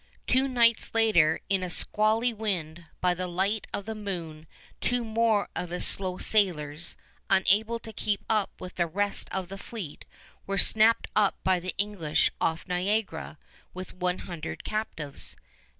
Two nights later in a squally wind, by the light of the moon, two more of his slow sailers, unable to keep up with the rest of the fleet, were snapped up by the English off Niagara with one hundred captives.